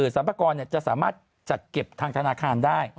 สรรพากรจะสามารถจัดเก็บทางธนาคารได้